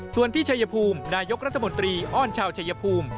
ส่วนที่ชัยภูมินายกรัฐมนตรีอ้อนชาวชายภูมิ